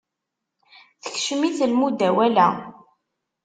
Tekcem-it lmudawala.